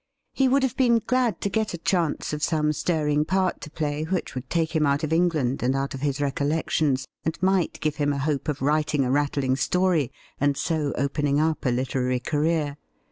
He would have been glad to get a chance of some stirring part to play which would take him out of England and out of his re collections, and might give him a hope of writing a rattling story, and so opening up a literary career.